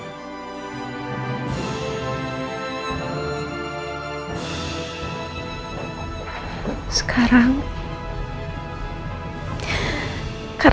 kita siap adek